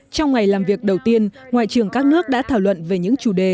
trong ngày làm việc đầu tiên ngoại trưởng các nước đã thảo luận về những chủ đề